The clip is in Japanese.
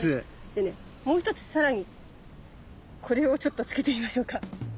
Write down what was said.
でねもう一つ更にこれをちょっとつけてみましょうか。